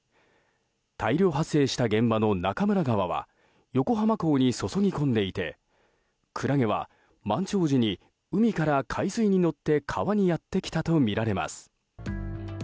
大量発生した現場の中村川は横浜港に注ぎ込んでいてクラゲは満潮時に海から海水に乗って川にやってきたとみられます。